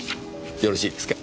よろしいですか？